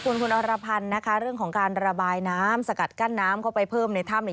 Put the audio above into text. คุณคุณอรพันธ์นะคะเรื่องของการระบายน้ำสกัดกั้นน้ำเข้าไปเพิ่มในถ้ำเนี่ย